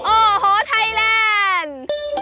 โอ้โหไทยแลนด์